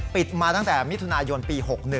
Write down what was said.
มาตั้งแต่มิถุนายนปี๖๑